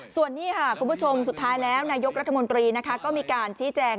ส่วนนี้ค่ะคุณผู้ชมสุดท้ายแล้วนายกรัฐมนตรีก็มีการชี้แจง